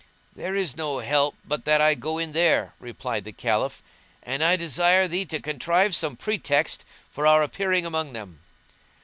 "There is no help but that I go in there," replied the Caliph, "and I desire thee to contrive some pretext for our appearing among them."